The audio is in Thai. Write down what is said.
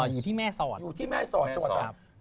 อยู่ที่แม่ศร